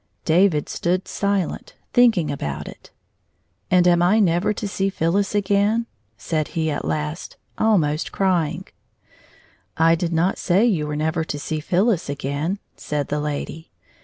David stood silent, thinking about it. " And am I never to see Phyllis again ?" said he at last, almost crying. " I did not say you were never to see Phyllis again," said the lady.